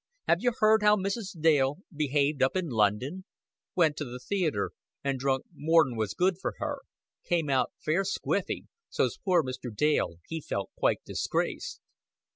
Have you heard how Mrs. Dale behaved up in London? Went to the theater, and drunk more'n was good for her. Came out fair squiffy so's poor Mr. Dale, he felt quite disgraced."